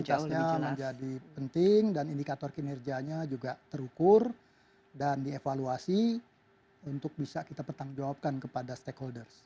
interestnya menjadi penting dan indikator kinerjanya juga terukur dan dievaluasi untuk bisa kita pertanggungjawabkan kepada stakeholders